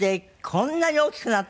こんなに大きくなったの？